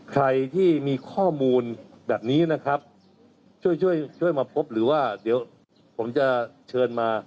ใครที่มีข้อมูลแบบนี้นะครับช่วยช่วยมาพบหรือว่าเดี๋ยวผมจะเชิญมา